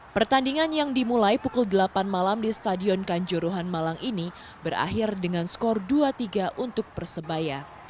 pertandingan yang dimulai pukul delapan malam di stadion kanjuruhan malang ini berakhir dengan skor dua tiga untuk persebaya